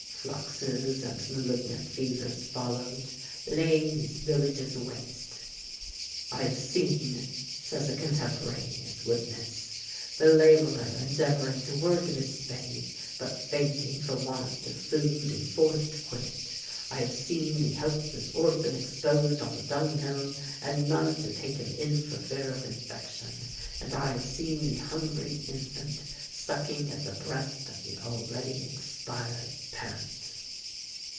Fluxes and malignant fevers followed, laying these villages waste. 'I have seen,' says a contemporaneous witness, 'the laborer endeavoring to work at his spade, but fainting for want of food and forced to quit it. I have seen the helpless orphan exposed on the dunghill, and none to take him in for fear of infection. And I have seen the hungry infant sucking at the breast of the already expired parent.'"